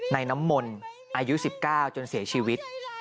น้ำมนต์อายุ๑๙จนเสียชีวิต